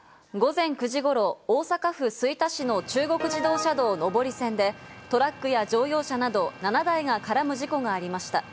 午前９時ごろ、大阪府吹田市の中国自動車道上り線で、トラックや乗用車など７台が絡む事故がありました。